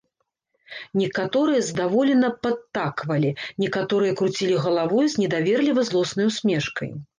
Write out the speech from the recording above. Некаторыя здаволена падтаквалі, некаторыя круцілі галавой з недаверліва злоснай усмешкай.